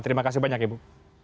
terima kasih banyak ibu